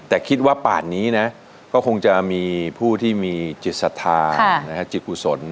แต่คิดว่าป่านนี้นะก็คงจะมีผู้ที่มีจิตศรัทธาจิตกุศล